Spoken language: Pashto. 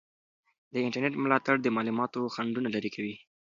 د انټرنیټ ملاتړ د معلوماتو خنډونه لرې کوي.